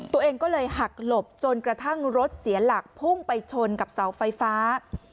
ตัวเองก็เลยหักหลบจนกระทั่งรถเสียหลักพุ่งไปชนกับเสาไฟฟ้า